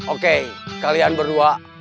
oke kalian berdua